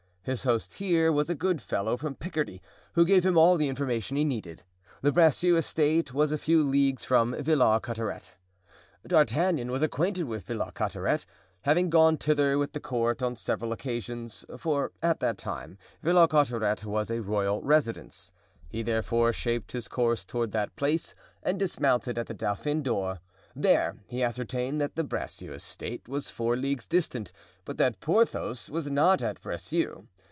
His host here was a good fellow from Picardy, who gave him all the information he needed. The Bracieux estate was a few leagues from Villars Cotterets. D'Artagnan was acquainted with Villars Cotterets, having gone thither with the court on several occasions; for at that time Villars Cotterets was a royal residence. He therefore shaped his course toward that place and dismounted at the Dauphin d'Or. There he ascertained that the Bracieux estate was four leagues distant, but that Porthos was not at Bracieux.